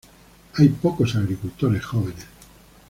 Hay pocos agricultores jóvenes.